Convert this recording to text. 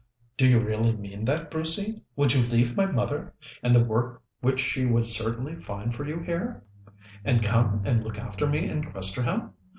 "Do you really mean that, Brucey? Would you leave my mother, and the work which she would certainly find for you here, and come and look after me in Questerham?